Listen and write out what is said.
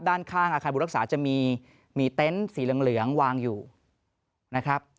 ด้านข้างอาคารบุรักษาจะมีเต็นต์สีเหลืองวางอยู่นะครับ